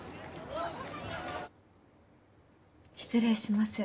失礼します。